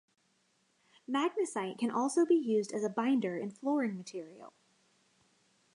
Magnesite can also be used as a binder in flooring material.